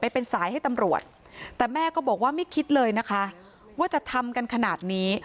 เป็นสายให้ตำรวจแต่แม่ก็บอกว่าไม่คิดเลยนะคะว่าจะทำกันขนาดนี้